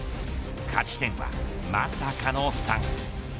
勝ち点はまさかの３。